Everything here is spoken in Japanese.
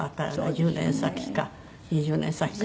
１０年先か２０年先か。